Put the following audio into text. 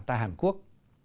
tại hàn quốc